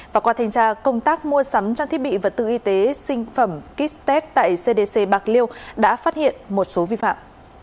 và qua thanh tra công tác mua sắm trang thiết bị vật tư y tế sinh phẩm kit test tại cdc bạc liêu đã phát hiện một số vi phạm